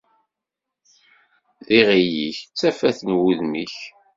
D iɣil-ik, d tafat n wudem-ik.